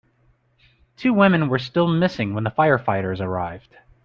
Two women were still missing when the firefighters arrived.